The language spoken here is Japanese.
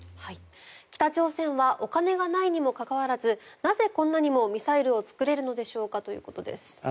北朝鮮はお金がないにもかかわらずなぜ、こんなにもミサイルを作れるのかということですね。